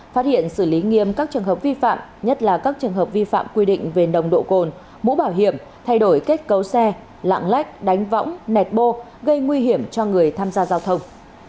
phát hiện xử lý nghiêm các trường hợp vi phạm nhất là các trường hợp vi phạm quy định về nồng độ cồn mũ bảo hiểm thay đổi kết cấu xe lạng lách đánh võng nẹt bô gây nguy hiểm cho người tham gia giao thông